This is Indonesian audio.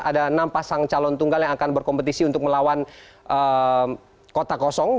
ada enam pasang calon tunggal yang akan berkompetisi untuk melawan kota kosong